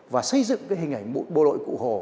và xây dựng cái hình ảnh bộ đội cụ hồ